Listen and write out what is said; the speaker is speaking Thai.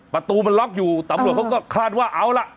ประตูมันล็อกอยู่ตำรวจเขาก็คาดว่าเอาล่ะ